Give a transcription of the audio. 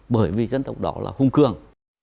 bởi vì dân tộc đó là hùng cường